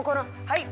はい！